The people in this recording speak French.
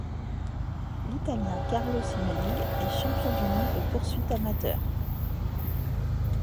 L'Italien Carlo Simonigh est champion du monde de poursuite amateur.